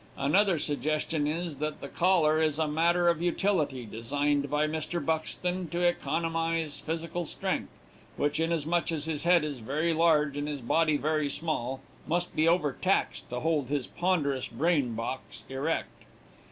Another suggestion is, that the collar is a matter of utility, designed by Mr. Buxton to economize physical strength, which, inasmuch as his head is very large and his body very small, must be overtaxed to hold his ponderous brain box erect.